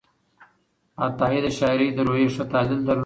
عطایي د شاعرۍ د روحیې ښه تحلیل درلود.